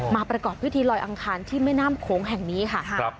มาประกอบพฤทธิรอยอังคารที่แม่น้ำโขงแห่งนี้ค่ะครับ